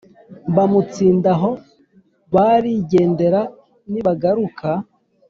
bamutsinda aho barijyendara nibagaruka